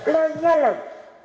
loh ya loh